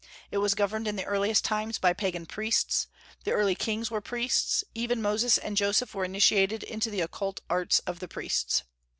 It was governed in the earliest times by pagan priests; the early kings were priests, even Moses and Joseph were initiated into the occult arts of the priests.